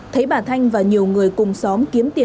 thấy bà thanh và nhiều người cùng xóm kiếm tiền